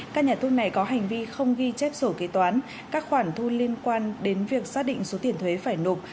các nhà thuốc này có hành vi không ghi chép sổ kế toán các khoản thu liên quan đến việc xác định số tiền thuế phải nộp